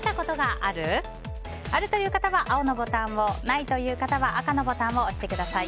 あるという方は青のボタンをないという方は赤のボタンを押してください。